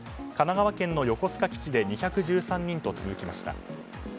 神奈川県の横須賀基地で２１３人と続きました。